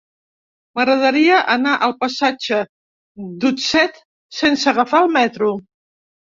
M'agradaria anar al passatge d'Utset sense agafar el metro.